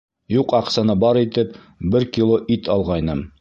Юҡ аҡсаны бар итеп бер кило ит алғайным.